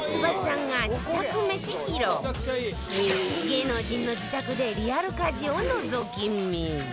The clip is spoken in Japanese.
芸能人の自宅でリアル家事をのぞき見